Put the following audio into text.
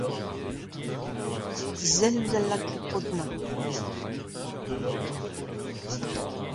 Sell ouzh al lakepod-mañ !